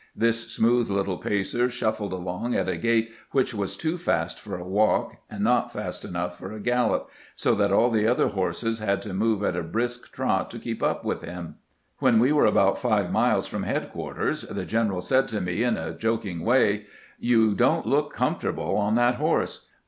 This smooth little pacer shuffled along at a gait which was too fast for a walk and not fast enough for a gaUop, so that all the other horses had to move at a brisk trot to keep up with him. When we were about five miles from headquarters the general said to me in a joking way :" You don't look comfort able on that horse.